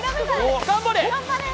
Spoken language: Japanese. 頑張れ！